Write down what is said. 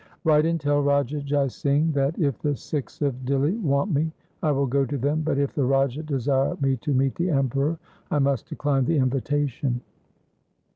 Write and tell Raja Jai Singh that, if the Sikhs of Dihli want me, I will go to them, but if the Raja desire me to meet the Emperor, I must decline the invita tion.'